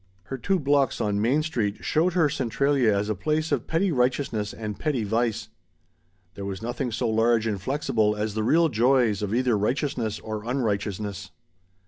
Her two blocks on "Main Street" showed her Centralia as a place of petty righteousness and petty vice. There was nothing so large and flexible as the real joys of either righteousness or unrighteousness.